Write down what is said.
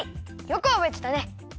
よくおぼえてたね！